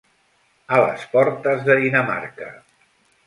A les portes de Dinamarca.